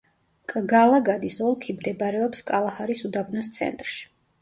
კგალაგადის ოლქი მდებარეობს კალაჰარის უდაბნოს ცენტრში.